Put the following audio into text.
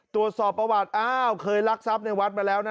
ตรวจสอบประวัติอ้าวเคยรักทรัพย์ในวัดมาแล้วนะ